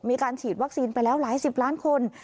มีการฉีดวัคซีนไปแล้วหลายสิบล้านคน